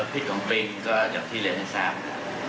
พิษของปริงก็อย่างที่เลือดไอ้๓น้ำมา